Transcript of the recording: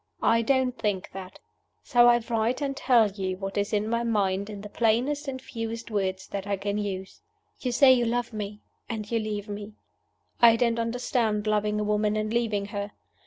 I don't think that. So I write and tell you what is in my mind in the plainest and fewest words that I can use. "You say you love me and you leave me. I don't understand loving a woman and leaving her.